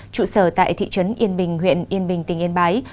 trụ sở tại thị trấn yên bình huyện yên bái